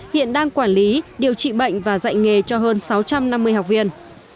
hiện đang quản lý điều trị bệnh và dạy nghề cho hơn sáu trăm năm mươi học viên